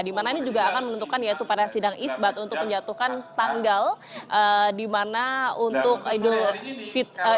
di mana ini juga akan menentukan yaitu pada sidang isbat untuk menjatuhkan tanggal dimana untuk idul fitri